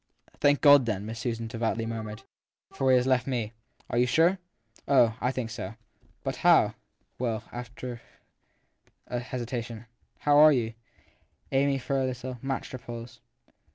Thank God, then ! Miss Susan devoutly murmured. { For he has left me. 1 Are you sure ? 1 Oh, I think so. < But how ? Well, said Miss Susan after an hesitation, t how are you f Amy, for a little, matched her pause.